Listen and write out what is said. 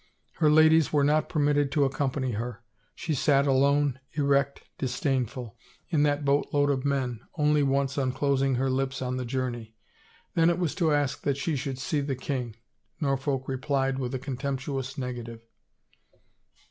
Her ladies were not permitted to accompany her. She sat alone, erect, disdainful, in that boat load of men, only once unclosing her lips on the journey. Then it was to ask that she should see the king. Norfolk replied with a contemptuous negative.